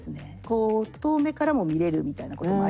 こう遠目からも見れるみたいなこともありますよね。